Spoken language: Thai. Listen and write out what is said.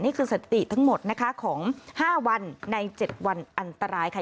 สติทั้งหมดนะคะของ๕วันใน๗วันอันตรายค่ะ